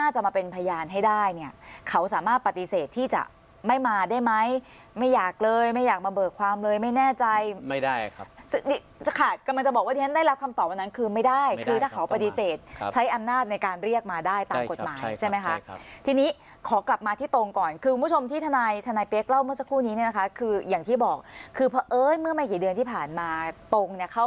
จะมาเป็นพยานให้ได้เนี้ยเขาสามารถปฏิเสธที่จะไม่มาได้ไหมไม่อยากเลยไม่อยากมาเบิกความเลยไม่แน่ใจไม่ได้ครับจะขาดกำลังจะบอกว่าทีนั้นได้รับคำตอบวันนั้นคือไม่ได้คือถ้าเขาปฏิเสธใช้อำนาจในการเรียกมาได้ตามกฎหมายใช่ไหมครับใช่ครับทีนี้ขอกลับมาที่ตรงก่อนคือคุณผู้ชมที่ทนายทนายเป๊กเล่าเมื่อสักคร